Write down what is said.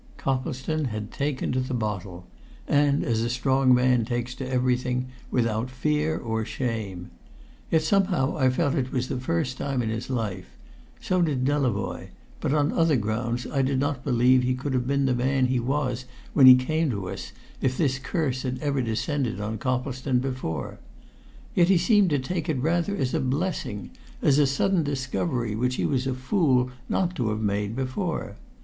Coplestone had taken to the bottle and as a strong man takes to everything without fear or shame. Yet somehow I felt it was for the first time in his life; so did Delavoye, but on other grounds. I did not believe he could have been the man he was when he came to us, if this curse had ever descended on Coplestone before. Yet he seemed to take it rather as a blessing, as a sudden discovery which he was a fool not to have made before.